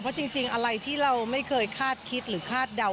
เพราะจริงอะไรที่เราไม่เคยคาดคิดหรือคาดเดา